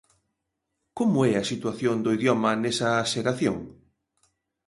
Como é a situación do idioma nesa xeración?